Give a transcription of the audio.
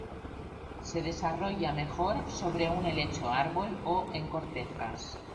Se desarrolla mejor sobre un helecho-árbol o en cortezas.